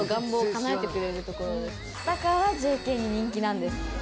所ですだからＪＫに人気なんです。